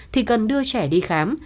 thì cần đưa trẻ đi khám